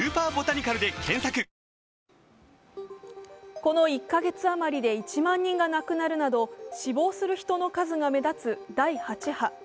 この１か月余りで１万人が亡くなるなど死亡する人の数が目立つ第８波。